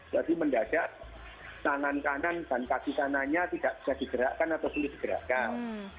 jadi mendadak tangan kanan dan kaki kanannya tidak bisa digerakkan atau tidak digerakkan